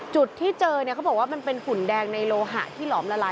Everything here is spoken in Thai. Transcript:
จุดที่เจอเนี่ยเขาบอกว่ามันเป็นฝุ่นแดงในโลหะที่หลอมละลาย